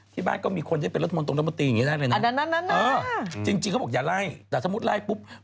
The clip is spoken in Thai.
ที่บ้านก็มีคนที่เป็นรัฐมนตรีตรงรัฐมนตรีอย่างนี้ได้เลยนะจริงเขาบอกอย่าไล่แต่สมมุติไล่ปุ๊บ